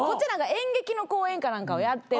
演劇の公演か何かをやってる。